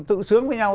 tự sướng với nhau